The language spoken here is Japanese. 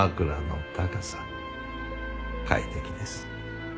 快適です。